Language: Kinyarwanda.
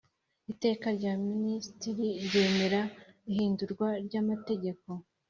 iteka rya minisitiri ryemera ihindurwa ry amategeko